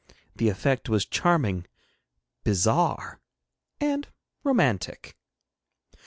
The effect was charming, bizarre, and romantic.